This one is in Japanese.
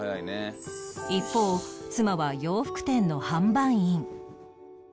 一方妻は洋服店の販売員